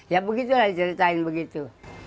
ya begitulah diceritain begitu